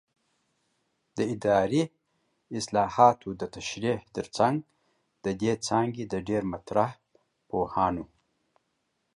د اداري اصطلاحاتو د تشریح ترڅنګ د دې څانګې د ډېری مطرح پوهانو